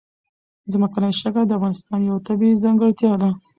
ځمکنی شکل د افغانستان یوه طبیعي ځانګړتیا ده.